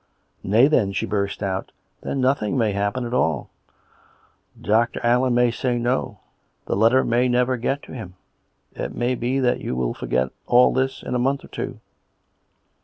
" Nay, then," she burst out, " then nothing may happen after all. Dr. Allen may say ' No;' the letter may never get to him. It may be that you will forget all this in a month or two."